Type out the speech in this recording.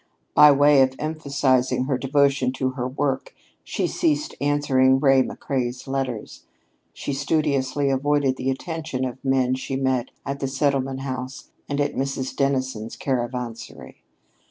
By way of emphasizing her devotion to her work, she ceased answering Ray McCrea's letters. She studiously avoided the attentions of the men she met at the Settlement House and at Mrs. Dennison's Caravansary.